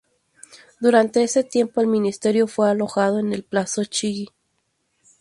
Durante ese tiempo el Ministerio fue alojado en el Palazzo Chigi.